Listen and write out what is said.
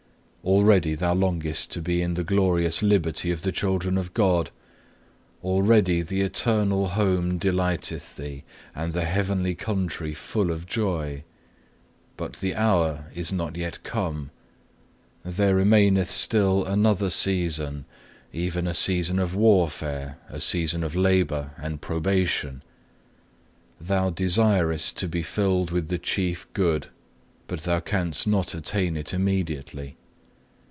Already thou longest to be in the glorious liberty of the children of God; already the eternal home delighteth thee, and the heavenly country full of joy; but the hour is not yet come; there remaineth still another season, even a season of warfare, a season of labour and probation. Thou desirest to be filled with the Chief Good, but thou canst not attain it immediately.